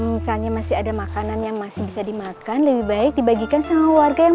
misalnya masih ada makanan yang masih bisa dimakan lebih baik dibagikan sama warga yang